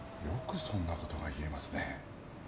よくそんな事が言えますね。